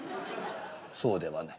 「そうではない。